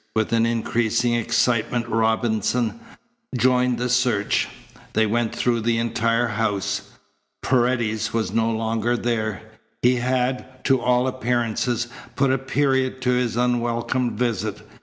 With an increasing excitement Robinson joined the search. They went through the entire house. Paredes was no longer there. He had, to all appearances, put a period to his unwelcome visit.